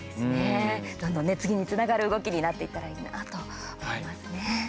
どんどん次につながる動きになっていったらいいなと思いますね。